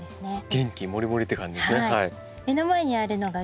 元気もりもりって感じですね。